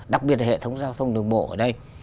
đặc biệt là hệ thống giao thông đường bộ ở đây